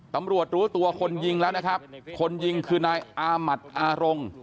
ตำรวจรู้ตัวคนยิงแล้วนะครับคนยิงคือนายอามัติอารง